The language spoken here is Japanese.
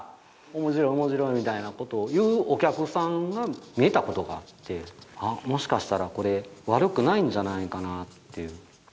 面白い面白いみたいなことを言うお客さんが見えたことがあってあっもしかしたらこれ悪くないんじゃないかなっていう。